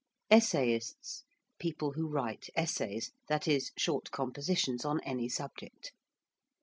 ~Essayists~: people who write essays; that is, short compositions on any subject.